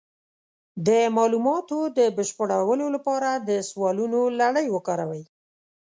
د معلوماتو د بشپړولو لپاره د سوالونو لړۍ وکاروئ.